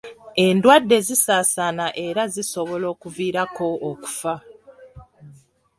Endwadde zisaasaana era zisobola okuviirako okufa.